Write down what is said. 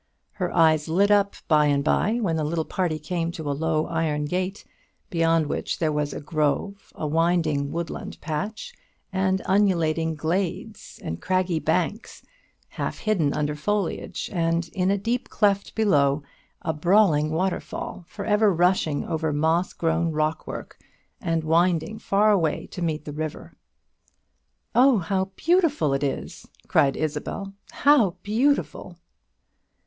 Her eyes lit up by and by, when the little party came to a low iron gate, beyond which there was a grove, a winding woodland patch, and undulating glades, and craggy banks half hidden under foliage, and, in a deep cleft below, a brawling waterfall for ever rushing over moss grown rockwork, and winding far away to meet the river. "Oh, how beautiful it is!" cried Isabel; "how beautiful!"